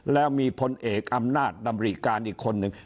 แล้วมีพลเอกอำนาจดำริการอีกคนนึง